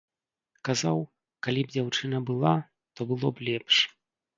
Казаў, калі б дзяўчына была, то было б лепш.